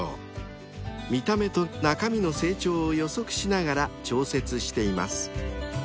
［見た目と中身の成長を予測しながら調節しています］